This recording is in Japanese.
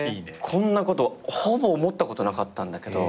こんなことほぼ思ったことなかったんだけど。